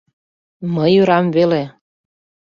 Мый ӧрам веле...